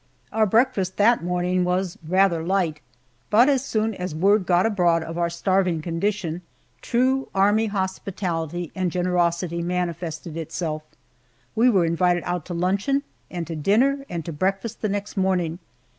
Our breakfast that morning was rather light, but as soon as word got abroad of our starving condition, true army hospitality and generosity manifested itself. We were invited out to luncheon, and to dinner, and to breakfast the next morning.